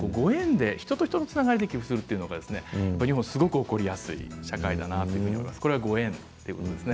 人のつながりで寄付をするというのがすごく起こりやすい社会だなと思います。